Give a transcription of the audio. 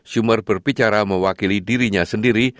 sumer berbicara mewakili dirinya sendiri